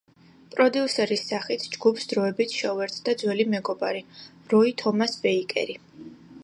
პროდიუსერის სახით ჯგუფს დროებით შეუერთდა ძველი მეგობარი, როი თომას ბეიკერი.